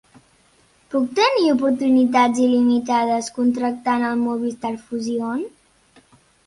Puc tenir oportunitats il·limitades contractant el Movistar Fusión?